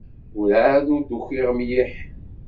Werɛad ur d-ukiɣ mliḥ.